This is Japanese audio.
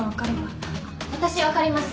私分かります。